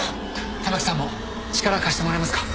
たまきさんも力貸してもらえますか？